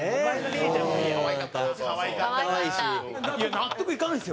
納得いかないですよ。